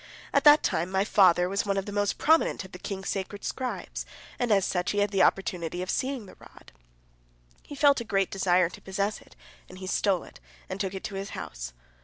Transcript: At that time my father was one of the most prominent of the king's sacred scribes, and as such he had the opportunity of seeing the rod. He felt a great desire to possess it, and he stole it and took it to his house.